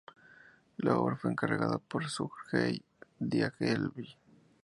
La obra fue encargada por Sergei Diaghilev.